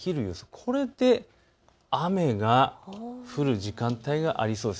これで雨が降る時間帯がありそうです。